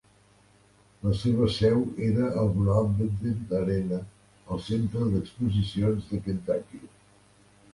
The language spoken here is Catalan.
La seva seu era el Broadbent Arena al centre d'exposicions de Kentucky.